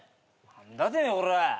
何だてめえオラ。